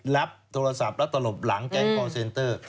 รับโทรศัพท์แล้วตลบหลังแก๊งคอร์เซนเตอร์